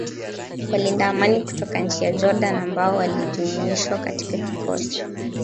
walinda amani kutoka nchi ya Jordan ambao walijumuishwa katika kikosi